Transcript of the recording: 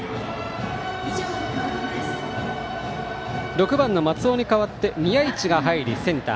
６番の松尾に代わって宮一が入り、センター。